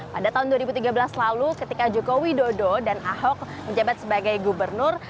pada tahun dua ribu tiga belas lalu ketika joko widodo dan ahok menjabat sebagai gubernur